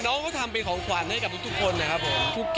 น้องเขาทำเป็นของขวัญให้กับทุกคนนะครับผม